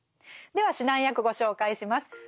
では指南役ご紹介します。